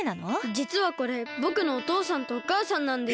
じつはこれぼくのおとうさんとおかあさんなんです。